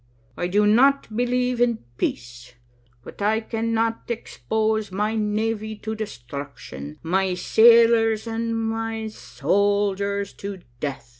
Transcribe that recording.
I do not believe in peace. But I cannot expose my navy to destruction, my sailors and my soldiers to death.